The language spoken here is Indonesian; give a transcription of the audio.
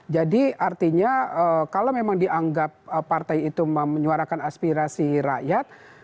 jadi artinya kalau memang dianggap partai itu menyuarakan aspirasi rakyat